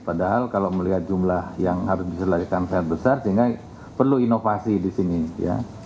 padahal kalau melihat jumlah yang harus bisa larikan sangat besar sehingga perlu inovasi di sini ya